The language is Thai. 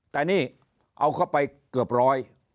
แต่นี่เอาเข้าไปเกือบร้อย